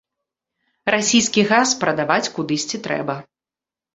Расійскі газ прадаваць кудысьці трэба.